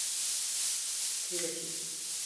تیغ تیز